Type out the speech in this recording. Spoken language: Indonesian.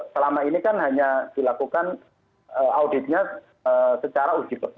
selama ini kan hanya dilakukan auditnya secara uji